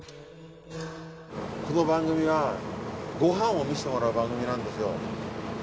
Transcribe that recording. この番組はご飯を見せてもらう番組なんですよ。